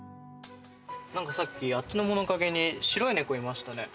何かさっきあっちの物陰に白い猫いましたね。